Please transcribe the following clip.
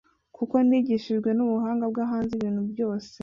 kuko nigishijwe n'ubuhanga bwahanze ibintu byose